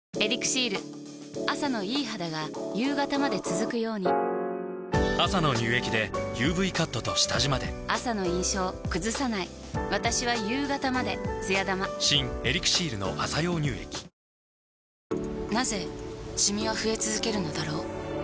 朝のいい肌が夕方まで続くように朝の乳液で ＵＶ カットと下地まで私は夕方まで「つや玉」新「エリクシール」の朝用乳液なぜシミは増え続けるのだろう